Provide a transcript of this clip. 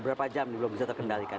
berapa jam belum bisa terkendalikan